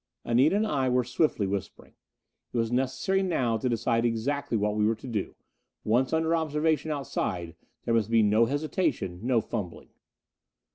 Anita and I were swiftly whispering. It was necessary now to decide exactly what we were to do; once under observation outside, there must be no hesitation, no fumbling.